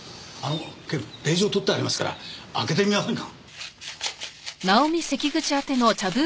警部令状取ってありますから開けてみませんか？